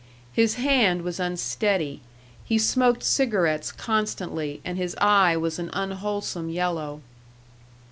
His hand was unsteady, he smoked cigarettes constantly, and his eye was an unwholesome yellow.